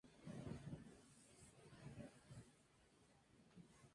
Con los años, Faith Ford ha recibido cinco nominaciones al Emmy por su personaje.